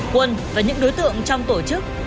quân và những đối tượng trong tổ chức